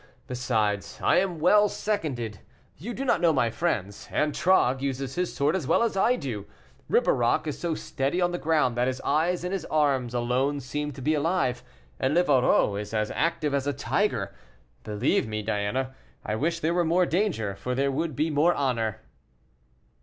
Besides, I am well seconded you do not know my friends; Antragues uses his sword as well as I do, Ribeirac is so steady on the ground that his eyes and his arms alone seem to be alive, and Livarot is as active as a tiger. Believe me, Diana, I wish there were more danger, for there would be more honor."